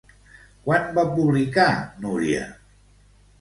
Quan va publicar Núria?